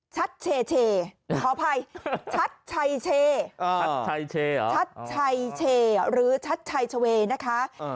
ชัดเชเชขออภัยชัดชัยเชชัดชัยเชหรือชัดชัยเชเวนะคะอ่า